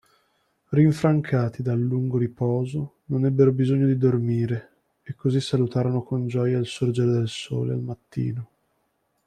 Rinfrancati dal lungo riposo, non ebbero bisogno di dormire, e così salutarono con gioia il sorgere del Sole al mattino.